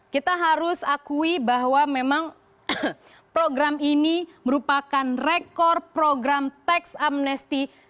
kita harus akui bahwa memang program ini merupakan rekor program teks amnesti